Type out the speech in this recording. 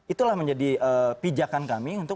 itulah menjadi pijakan kami untuk